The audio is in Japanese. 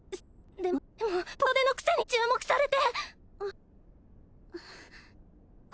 でもでもぽっと出のくせに注目されて！